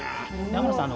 天野さん